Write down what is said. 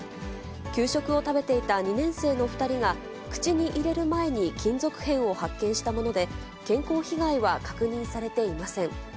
給食を食べていた２年生の２人が、口に入れる前に金属片を発見したもので、健康被害は確認されていません。